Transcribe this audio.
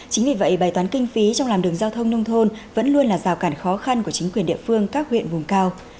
chính vì vậy bài toán kinh phí trong làm đường giao thông nông thôn vẫn luôn là rào cản khó khăn của chính quyền địa phương các huyện vùng cao